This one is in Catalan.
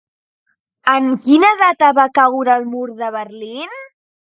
En quina data va caure el mur de Berlín?